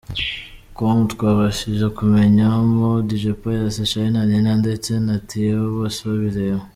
com twabashije kumenyamo Dj Pius, Charly na Nina ndetse na Theo Bosebabireba.